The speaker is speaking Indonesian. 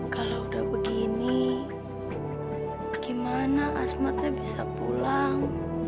kalau udah begini gimana asmatnya bisa pulang